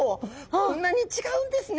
こんなに違うんですね。